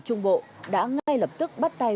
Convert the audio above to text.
trung bộ đã ngay lập tức bắt tay